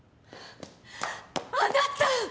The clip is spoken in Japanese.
あなた！